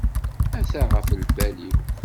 Ata ɣef lbal-iw.